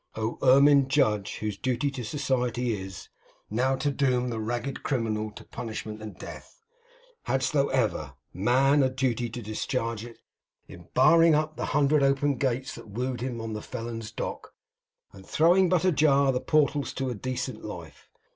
Oh, ermined Judge whose duty to society is, now, to doom the ragged criminal to punishment and death, hadst thou never, Man, a duty to discharge in barring up the hundred open gates that wooed him to the felon's dock, and throwing but ajar the portals to a decent life!